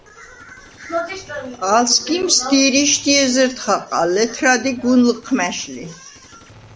ალ სგიმს დირიშდი ეზერდ ხაყა, ლეთრადი გუნ ლჷჴმა̈შ ლი.